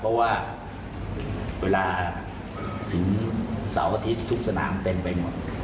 เพราะว่าเวลาถึงเสาร์อาทิตย์ทุกสนามเต็มไปหมด